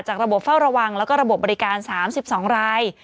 ระบบเฝ้าระวังแล้วก็ระบบบบริการ๓๒ราย